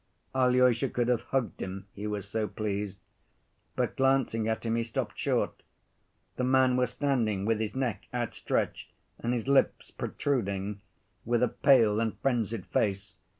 Alyosha could have hugged him, he was so pleased. But glancing at him he stopped short. The man was standing with his neck outstretched and his lips protruding, with a pale and frenzied face.